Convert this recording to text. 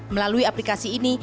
melalui aplikasi ini